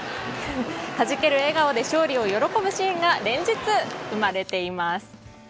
はじける笑顔で勝利を喜ぶシーンが連日、生まれています。